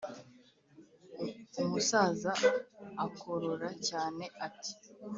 umusaza akorora cyane ati: